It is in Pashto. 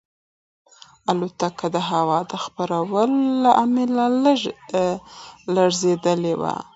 الوتکه د هوا د خرابوالي له امله لږه لړزېدلې وه.